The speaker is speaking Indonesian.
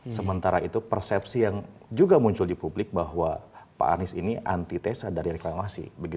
sementara itu persepsi yang juga muncul di publik bahwa pak anies ini antitesa dari reklamasi